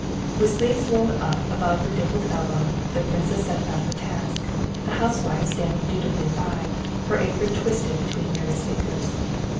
With sleeves rolled up above her dimpled elbows the princess set about her task, the housewife standing dutifully by, her apron twisted between nervous fingers.